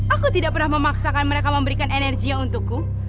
aku tidak pernah memaksakan mereka memberikan energinya untukku